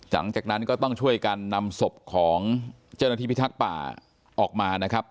หลังจากนั้นก็ต้องช่วยกันนำศพของเจ้าหน้าที่พิทักษ์ป่าออกมานะครับ